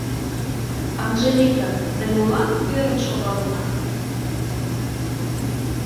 Анжелика, тый молан ӧрын шогалынат?